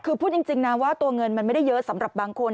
คือพูดจริงนะว่าตัวเงินมันไม่ได้เยอะสำหรับบางคน